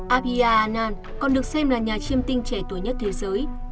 abhya anand còn được xem là nhà chiêm tinh trẻ tuổi nhất thế giới